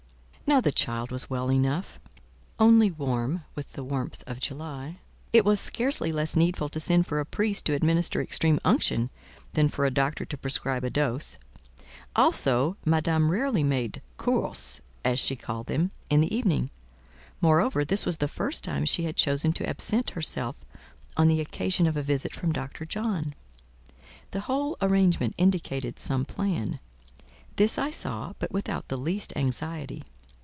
Now the child was well enough, only warm with the warmth of July; it was scarcely less needful to send for a priest to administer extreme unction than for a doctor to prescribe a dose; also Madame rarely made "courses," as she called them, in the evening: moreover, this was the first time she had chosen to absent herself on the occasion of a visit from Dr. John. The whole arrangement indicated some plan; this I saw, but without the least anxiety.